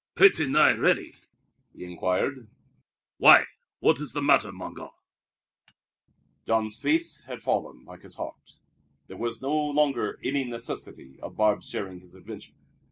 "Pretty nigh ready?" he inquired. "Why, what is the matter, mon gar'?" Jean's face had fallen like his heart. There was no longer any necessity of Barbe's sharing his adventure.